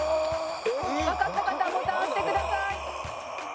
「わかった方ボタンを教えてください」